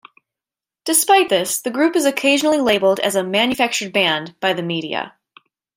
Despite this, the group is occasionally labelled as a "manufactured band" by the media.